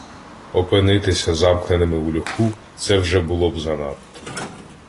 Опинитися замкненим у льоху — це вже було б занадто.